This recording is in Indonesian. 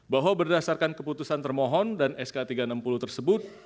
bahwa berdasarkan keputusan termohon dan sk tiga ratus enam puluh tersebut